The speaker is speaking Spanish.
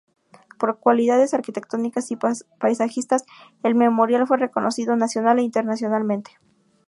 Por sus cualidades arquitectónicas y paisajísticas, el Memorial fue reconocido nacional e internacionalmente.